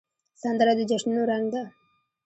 سندره د جشنونو رنګ ده